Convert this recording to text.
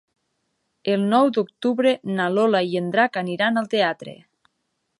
El nou d'octubre na Lola i en Drac aniran al teatre.